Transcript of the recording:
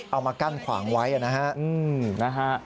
เอามากั้นขวางไว้นะฮะ